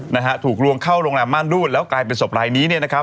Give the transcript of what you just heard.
นะฮะถูกลวงเข้าโรงแรมม่านรูดแล้วกลายเป็นศพลายนี้เนี่ยนะครับ